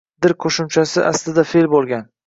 “-dir” qo‘shimchasi aslida fe’l bo‘lgan.